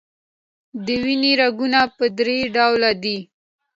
د وینې رګونه په دری ډوله دي.